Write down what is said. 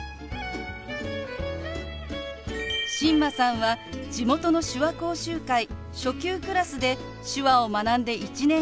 新間さんは地元の手話講習会初級クラスで手話を学んで１年半ほど。